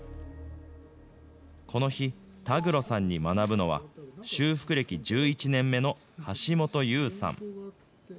この日、田畔さんに学ぶのは、修復歴１１年目の橋本悠さん。